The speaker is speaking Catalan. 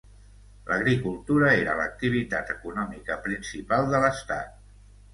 L'agricultura era l'activitat econòmica principal de l'estat.